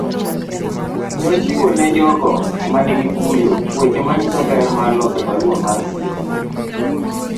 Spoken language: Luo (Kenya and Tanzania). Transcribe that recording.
Nochiwo ne jogo ma nigi kuyo weche manyiso ber mar loso barua mar singo.